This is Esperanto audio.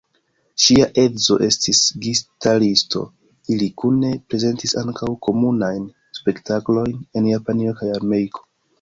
Ŝia edzo estis gitaristo, ili kune prezentis ankaŭ komunajn spektaklojn en Japanio kaj Ameriko.